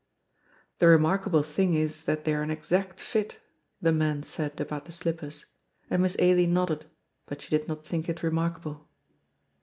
"The remarkable thing is that they are an exact fit," the man said about the slippers, and Miss Ailie nodded, but she did not think it remarkable.